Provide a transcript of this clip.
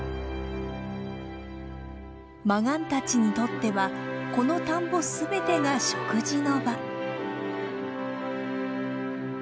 マガンたちにとってはこの田んぼ全てが食事の場。